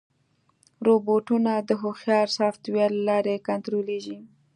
روبوټونه د هوښیار سافټویر له لارې کنټرولېږي.